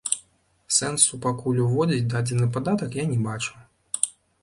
Сэнсу пакуль уводзіць дадзены падатак я не бачу.